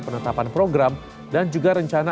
penetapan program dan juga rencana